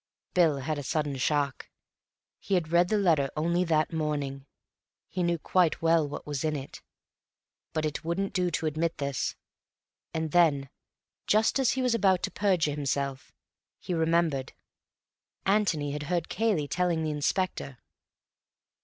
Bill had a sudden shock. He had read the letter only that morning. He knew quite well what was in it. But it wouldn't do to admit this. And then, just as he was about to perjure himself, he remembered: Antony had heard Cayley telling the Inspector.